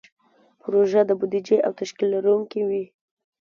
پروژه د بودیجې او تشکیل لرونکې وي.